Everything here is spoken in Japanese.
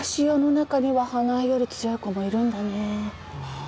世の中には花枝より強い子もいるんだねえね